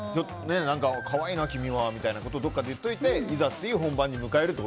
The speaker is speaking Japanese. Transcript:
可愛いな、君は見たいなことをどこかで言っていざという本番に迎えると。